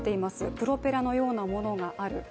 プロペラのようなものがある。